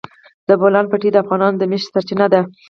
د بولان پټي د افغانانو د معیشت سرچینه ده.